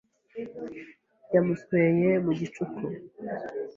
Yamusweye mu gicuku.